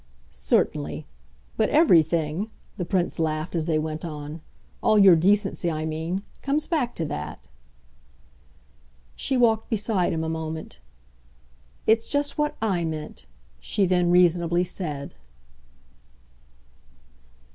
"Certainly. But everything," the Prince laughed as they went on "all your 'decency,' I mean comes back to that." She walked beside him a moment. "It's just what I meant," she then reasonably said.